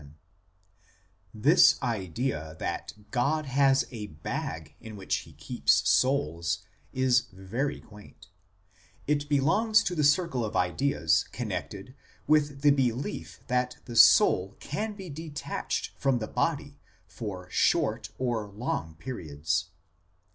l This idea that God has a bag in which He keeps souls is very quaint ; it belongs to the circle of ideas connected with the belief that the soul can be detached from the body for short or long periods.